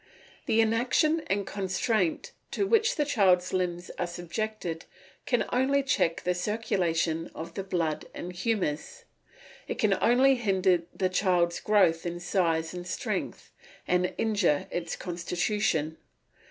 The inaction, the constraint to which the child's limbs are subjected can only check the circulation of the blood and humours; it can only hinder the child's growth in size and strength, and injure its constitution.